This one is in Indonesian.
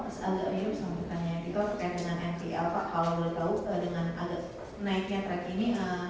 kalau boleh tahu dengan naiknya terakhir ini